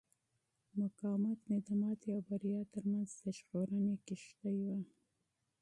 مقاومت مې د ماتې او بریا ترمنځ د ژغورنې کښتۍ وه.